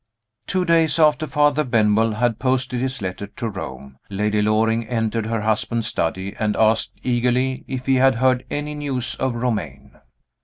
Two days after Father Benwell had posted his letter to Rome, Lady Loring entered her husband's study, and asked eagerly if he had heard any news of Romayne.